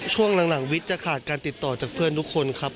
ช่วงหลังวิทย์จะขาดการติดต่อจากเพื่อนทุกคนครับ